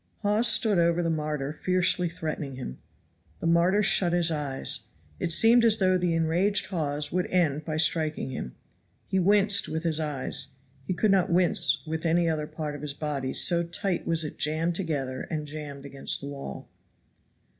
Hawes stood over the martyr fiercely threatening him. The martyr shut his eyes. It seemed as though the enraged Hawes would end by striking him. He winced with his eyes. He could not wince with any other part of his body, so tight was it jammed together and jammed against the wall.